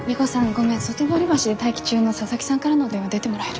ごめん外堀橋で待機中の佐々木さんからの電話出てもらえる？